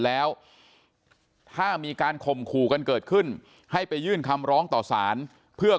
แล้วถ้ามีการข่มขู่กันเกิดขึ้นให้ไปยื่นคำร้องต่อสารเพื่อ